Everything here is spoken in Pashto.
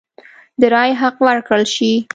د رایې حق ورکړل شي.